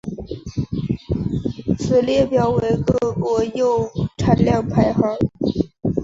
此列表为各国铀产量排行。